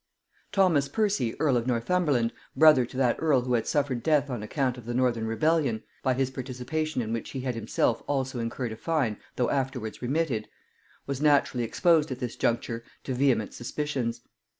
Thomas Percy earl of Northumberland, brother to that earl who had suffered death on account of the Northern rebellion, by his participation in which he had himself also incurred a fine, though afterwards remitted, was naturally exposed at this juncture to vehement suspicions.